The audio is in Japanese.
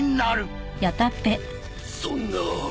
そんな。